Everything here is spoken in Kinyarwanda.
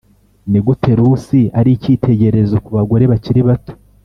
Ni Gute Rusi Ari Icyitegererezo Ku Bagore Bakiri Bato